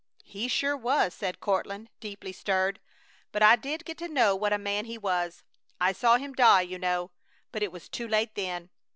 "He sure was!" said Courtland, deeply stirred. "But I did get to know what a man he was. I saw him die, you know! But it was too late then!"